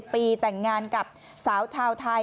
ปีแต่งงานกับสาวชาวไทย